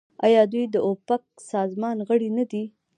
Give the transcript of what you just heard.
آیا دوی د اوپک سازمان غړي نه دي؟